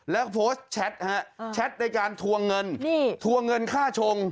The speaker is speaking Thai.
แล้วก็โพสต์แชทฮะแชทในการทวงเงินทวงเงินค่าชง